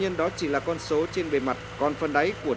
năm thứ bảy